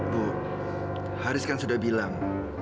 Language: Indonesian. bu haris kan sudah bilang